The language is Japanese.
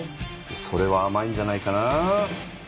それはあまいんじゃないかな？